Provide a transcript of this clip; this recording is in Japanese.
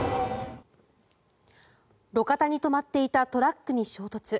路肩に止まっていたトラックに衝突。